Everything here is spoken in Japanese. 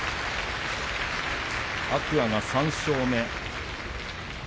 天空海が３勝目。